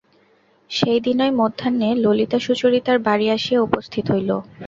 সেইদিনই মধ্যাহ্নে ললিতা সুচরিতার বাড়ি আসিয়া উপস্থিত হইল।